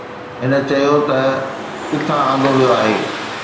هن چيو ته ڪٿان آندو ويو آهي.